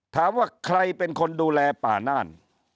ถามว่าใครเป็นคนดูแลป่าน่าน